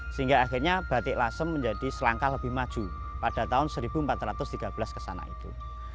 sehingga akhirnya batik lasem menjadi selangkah lebih maju pada tahun seribu empat ratus tiga belas kesana itu